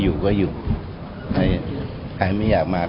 รึเปล่าถามผมได้ยังไงละ